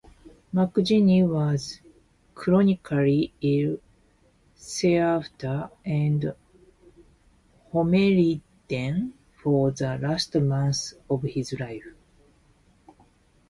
McGunnigle was chronically ill thereafter, and homeridden for the last months of his life.